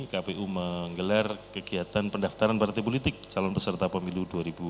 kpu menggelar kegiatan pendaftaran partai politik calon peserta pemilu dua ribu dua puluh